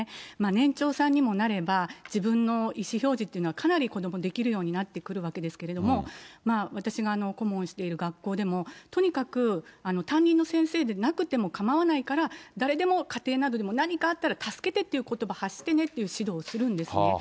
年長さんにもなれば、自分の意思表示っていうのはかなり子ども、できるようになってくるわけですけれども、私が顧問している学校でも、とにかく担任の先生でなくてもかまわないから、誰でも家庭などでも、何かあったら助けてっていうことば発してねっていう指導をするんですね。